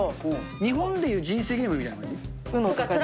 日本でいう人生ゲームみたいな感じ？